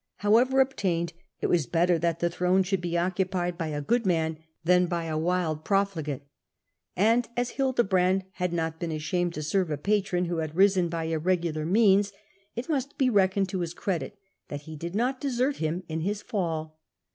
However obtained, it was better that the throne should be occu pied by a good man than by a wild profligate. And as Hildebrand had not been ashamed to serve a patron who had risen by irregular means, it must be reckoned to his credit that he did not desert him in his fall.